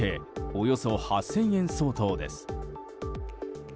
およそ８０００円相当です。